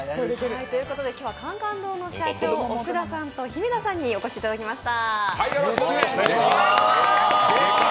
今日は甘々堂の社長、奥田さんと姫田さんにお越しいただきました。